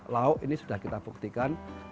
lauk ini sudah kita buktikan